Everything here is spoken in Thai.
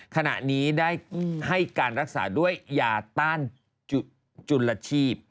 ขณะนี้ได้ให้การรักษาด้วยยาต้านจุลชีพ